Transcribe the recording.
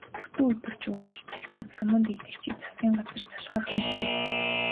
Бүтэн өдөржин үргэлжилсэн самуун дэгдээгчдийг засгийн газар залхаах нь зүй.